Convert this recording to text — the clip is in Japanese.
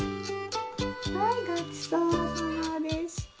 はいごちそうさまでした。